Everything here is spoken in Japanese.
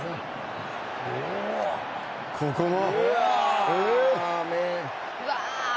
ここも。